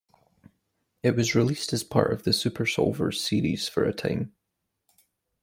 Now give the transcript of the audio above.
It was released as part of the Super Solvers series for a time.